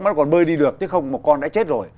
mới còn bơi đi được chứ không một con đã chết rồi